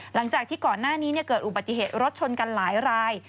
หลังจากที่ก่อนหน้านี้เกิดอุบัติเหตุรถชนกันหลายราย